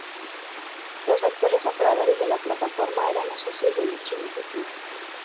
Los actuales operadores de la plataforma eran los socios de dicha iniciativa.